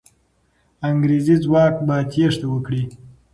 انګریزي ځواک به تېښته وکړي.